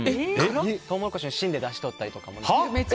トウモロコシの芯でだしをとったりとか。